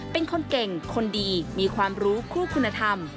เป็นคนเก่งคนดีมีความรู้คู่คุณธรรม